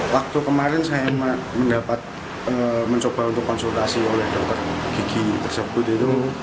waktu kemarin saya mendapat mencoba untuk konsultasi oleh dokter gigi tersebut itu